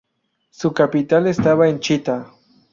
Su capital estaba en Chitá.